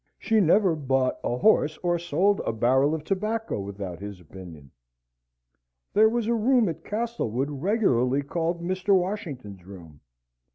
She never bought a horse or sold a barrel of tobacco without his opinion. There was a room at Castlewood regularly called Mr. Washington's room.